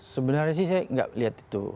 sebenarnya saya tidak melihat itu